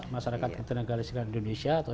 masyarakat ketenagaan listrik indonesia atau